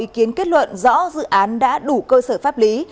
khiến kết luận rõ dự án đã đủ cơ sở pháp lý